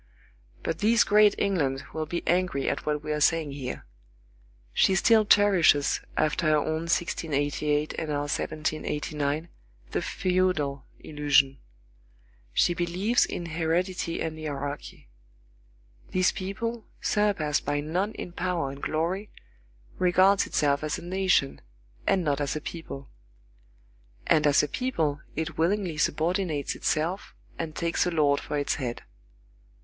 But this great England will be angry at what we are saying here. She still cherishes, after her own 1688 and our 1789, the feudal illusion. She believes in heredity and hierarchy. This people, surpassed by none in power and glory, regards itself as a nation, and not as a people. And as a people, it willingly subordinates itself and takes a lord for its head.